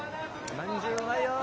まんじゅううまいよ！